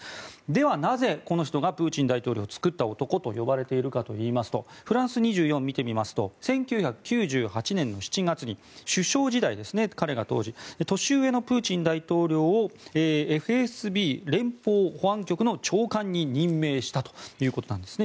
ではなぜ、この人がプーチン大統領を作った男と呼ばれているかといいますとＦＲＡＮＣＥ２４を見てみますと１９９８年の７月に首相時代年上のプーチン大統領をＦＳＢ・連邦保安局の長官に任命したということなんです。